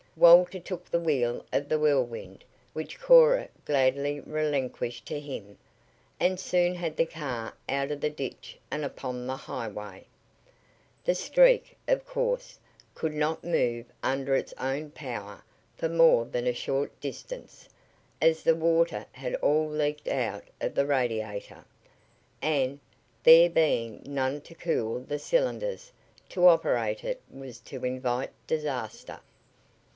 Walter took the wheel of the Whirlwind, which Cora gladly relinquished to him, and soon had the car out of the ditch and upon the highway. The Streak, of course, could not move under its own power for more than a short distance, as the water had all leaked out of the radiator, and, there being none to cool the cylinders, to operate it was to invite disaster.